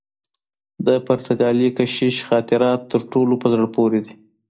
د پرتګالي کشیش خاطرات تر ټولو په زړه پوري دي.